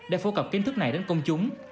để phô cập kiến thức này đến công chúng